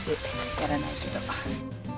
やらないけど。